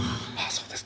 そうですか。